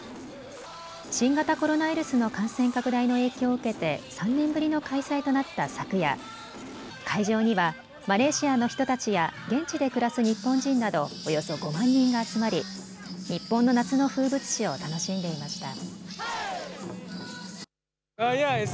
新型コロナウイルスの感染拡大の影響を受けて３年ぶりの開催となった昨夜、会場にはマレーシアの人たちや現地で暮らす日本人などおよそ５万人が集まり日本の夏の風物詩を楽しんでいました。